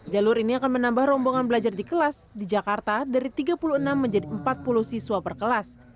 jalur ini akan menambah rombongan belajar di kelas di jakarta dari tiga puluh enam menjadi empat puluh siswa per kelas